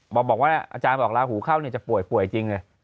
บอกบอกว่าอาจารย์บอกลาหูเข้าเนี่ยจะป่วยป่วยจริงเลย